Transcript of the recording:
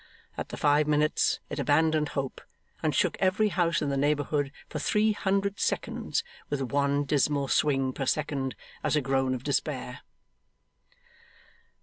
At the five minutes, it abandoned hope, and shook every house in the neighbourhood for three hundred seconds, with one dismal swing per second, as a groan of despair.